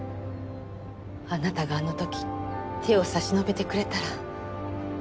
あなたがあの時手を差し伸べてくれたら。